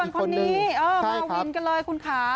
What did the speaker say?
คนนี้มาวินกันเลยคุณค่ะ